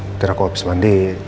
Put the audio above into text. nanti aku habis mandi